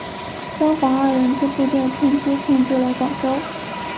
张黄二人之部队趁机控制了广州。